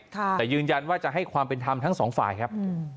แต่ยืนยันว่าจะให้ความเป็นธรรมทั้งสองฝ่ายครับ